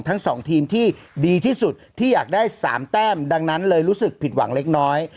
ทั้งสองทีมที่ดีที่สุดที่อยากได้๓แต้มดังนั้นเลยรู้สึกผิดหวังเล็กน้อย